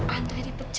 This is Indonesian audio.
andre sudah dipecat